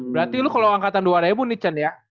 berarti lu kalau angkatan dua ribu nih cend ya